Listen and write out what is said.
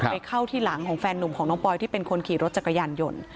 เข้าที่หลังของแฟนหนุ่มของน้องปอยที่เป็นคนขี่รถจักรยานยนต์